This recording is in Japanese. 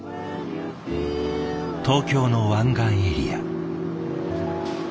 東京の湾岸エリア。